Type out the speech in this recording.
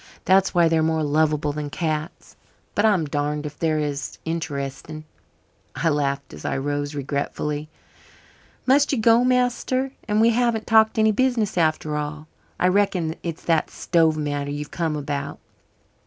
That's why they're more lovable than cats but I'm darned if they're as interesting." I laughed as I rose regretfully. "Must you go, master? And we haven't talked any business after all. I reckon it's that stove matter you've come about.